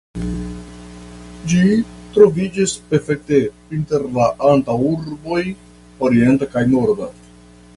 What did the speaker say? Ĝi troviĝis perfekte inter la antaŭurboj orienta kaj norda.